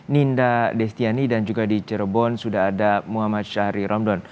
ninda destiani dan juga di cirebon sudah ada muhammad syahri romdon